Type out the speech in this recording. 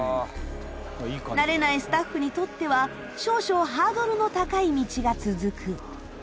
慣れないスタッフにとっては少々ハードルの高い道が続く。